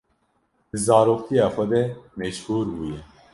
Di zaroktiya xwe de meşhûr bûye.